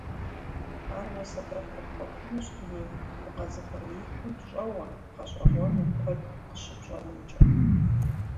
Ар уэ сэбэп къыпхуэхъунщ дуней дыкъэзыухъуреихьым щӀэуэ, гъэщӀэгъуэну куэд къыщыпщӀэнымкӀэ.